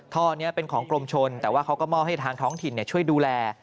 ท่อนี้เป็นของกรมชนแต่ว่าเขาก็มอบให้ทางท้องถิ่นช่วยดูแล